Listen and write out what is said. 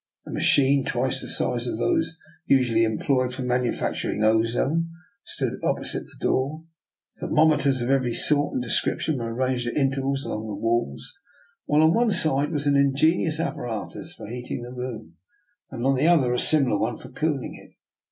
A machine twice the size of those usually em ployed for manufacturing ozone stood oppo site the door; thermometers of every sort and description were arranged at intervals along the walls; while on one side was an ingenious apparatus for heating the room, and on the other a similar one for cooling it.